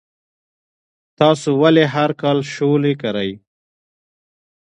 تاسو ولې هر کال شولې کرئ؟